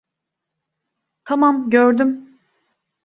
Tamam, gördüm.